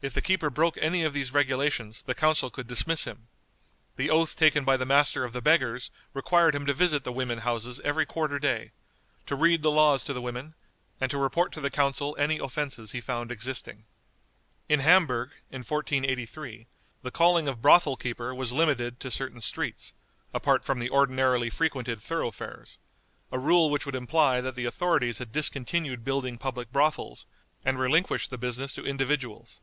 If the keeper broke any of these regulations the council could dismiss him. The oath taken by the Master of the Beggars required him to visit the women houses every quarter day; to read the laws to the women; and to report to the council any offenses he found existing. In Hamburg, in 1483, the calling of brothel keeper was limited to certain streets, apart from the ordinarily frequented thoroughfares a rule which would imply that the authorities had discontinued building public brothels, and relinquished the business to individuals.